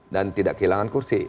dan tidak kehilangan kursi